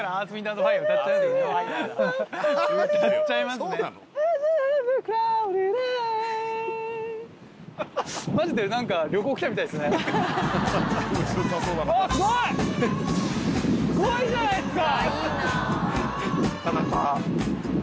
すごいじゃないっすか！